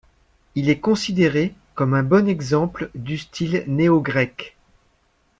Il est considéré comme un bon exemple du style néo-grec.